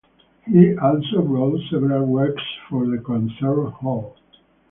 He also wrote several works for the concert hall.